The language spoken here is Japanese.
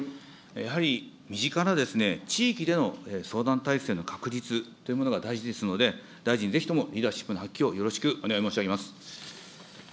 やはり身近な地域での相談体制の確立というものが大事ですので、大臣、ぜひともリーダーシップの発揮をよろしくお願い申し上げます。